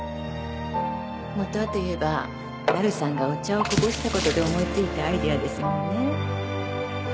本はといえばなるさんがお茶をこぼしたことで思いついたアイデアですもんね。